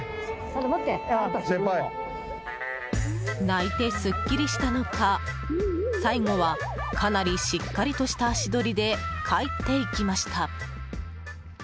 泣いてスッキリしたのか最後はかなりしっかりとした足取りで帰っていきました。